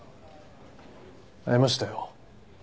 会いましたよ。